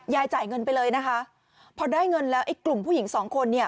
จ่ายเงินไปเลยนะคะพอได้เงินแล้วไอ้กลุ่มผู้หญิงสองคนเนี่ย